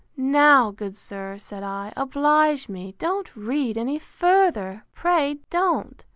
Now, good sir, said I, oblige me; don't read any further: pray don't!